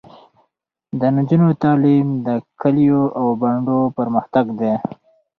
د نجونو تعلیم د کلیو او بانډو پرمختګ دی.